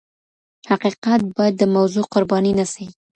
حقیقت باید د موضوع قرباني نسي.